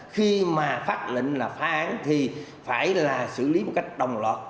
khi mà phát lệnh là phá án thì phải là xử lý một cách đồng lọt